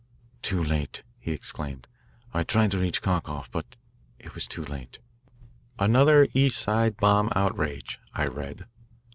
"Too late," he exclaimed. "I tried to reach Kharkoff, but it was too late." "Another East Side Bomb Outrage," I read.